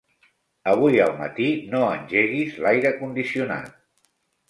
Avui al matí no engeguis l'aire condicionat.